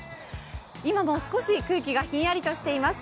今も少し空気がひんやりとしています。